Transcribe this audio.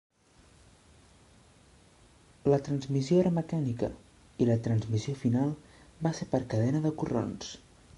La transmissió era mecànica i la transmissió final va ser per cadena de corrons.